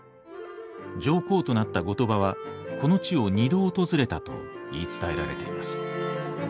上皇となった後鳥羽はこの地を２度訪れたと言い伝えられています。